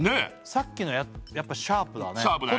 さっきのやっぱシャープだねシャープだね